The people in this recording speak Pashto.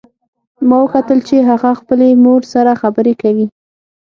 ما وکتل چې هغه خپلې مور سره خبرې کوي